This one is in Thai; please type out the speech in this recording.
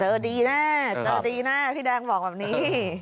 เจอดีน่ะเจอดีน่ะพี่ดังบอกแบบนี้